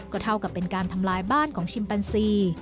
เท่ากับเป็นการทำลายบ้านของชิมปันซี